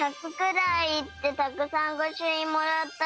たくさんごしゅいんもらったの。